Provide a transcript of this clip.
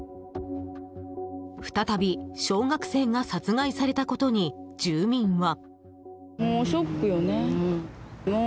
再び小学生が殺害されたことに住民は。